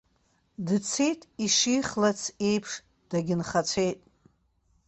Дцеит, ишихьлац еиԥш, дагьынхацәеит.